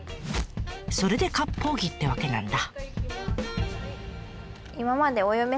それで割烹着ってわけなんだ。